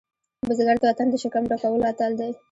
بزګر د وطن د شکم ډکولو اتل دی